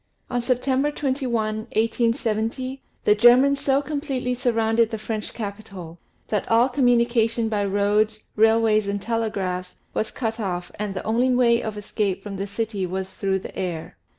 On September 21, 1870, the Germans so completely surrounded the French capitol, that all communication by Fig. 21. roads, railways, and telegraphs, was cut off and the only way of escape from the city was through the air.